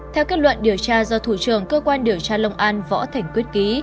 theo kết luận điều tra do thủ trưởng cơ quan điều tra long an võ thành quyết ký